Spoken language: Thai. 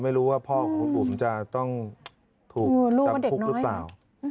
ไม่รู้ว่าพ่อของคุณอุ๋มจะต้องถูกจำคุกหรือเปล่า